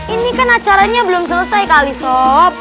ini kan acaranya belum selesai kali sop